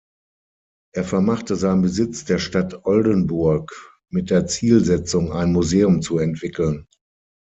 Er vermachte seinen Besitz der Stadt Oldenburg mit der Zielsetzung, ein Museum zu entwickeln.